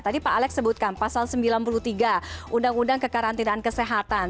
tadi pak alex sebutkan pasal sembilan puluh tiga undang undang kekarantinaan kesehatan